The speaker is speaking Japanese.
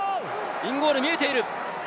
インゴール見えている。